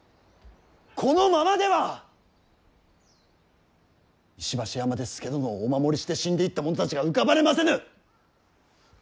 このままでは石橋山で佐殿をお守りして死んでいった者たちが浮かばれませぬ！